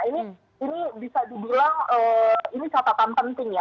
nah ini bisa dibilang ini syaratan penting ya